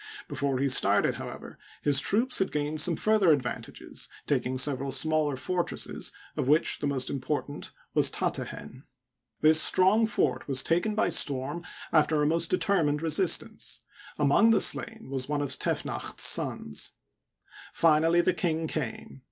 Before he started, however, his troops had gained some further ad vantages, taking several smaller fortresses, of which the most important was Tatehen, This strong fort was taken Digitized byCjOOQlC Ii6 HISTORY OF EGYPT. by storm after a most determined resistance ; among the slain was one of Tefnacht*s sons. Finally, the king came.